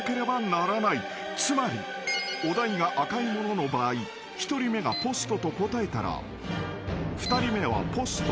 ［つまりお題が赤いものの場合１人目がポストと答えたら２人目はポスト。